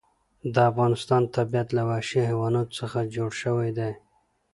د افغانستان طبیعت له وحشي حیواناتو څخه جوړ شوی دی.